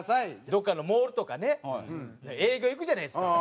どこかのモールとかね営業行くじゃないですか。